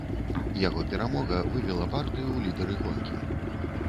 Яго перамога вывела партыю ў лідары гонкі.